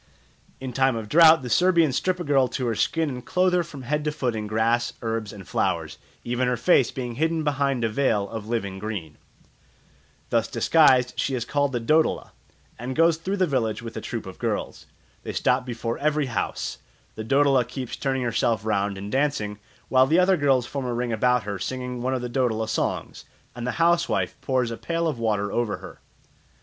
In time of drought the Serbians strip a girl to her skin and clothe her from head to foot in grass, herbs, and flowers, even her face being hidden behind a veil of living green. Thus disguised she is called the Dodola, and goes through the village with a troop of girls. They stop before every house; the Dodola keeps turning herself round and dancing, while the other girls form a ring about her singing one of the Dodola songs, and the housewife pours a pail of water over her.